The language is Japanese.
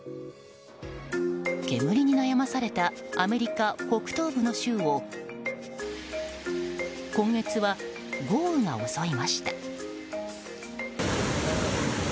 煙に悩まされたアメリカ北東部の州を今月は豪雨が襲いました。